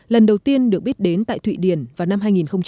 lần đầu tiên được biết đến tại thụy điển vào năm hai nghìn một mươi